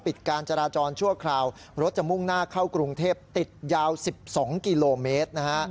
การจราจรชั่วคราวรถจะมุ่งหน้าเข้ากรุงเทพติดยาว๑๒กิโลเมตรนะฮะ